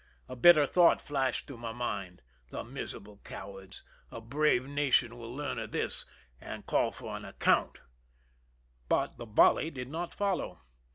A bitter thought flashed through my mind: "The miserable cowards ! A brave nation will learn of this and call for an account." But the volley did not follow.